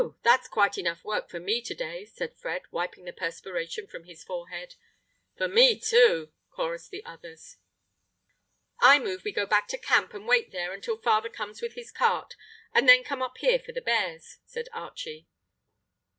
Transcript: That's quite enough work for me to day," said Fred, wiping the perspiration from his forehead. "For me too!" chorused the others. "I move we go back to camp and wait there until father comes with his cart, and then come up here for the bears," said Archie.